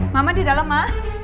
mama di dalam ma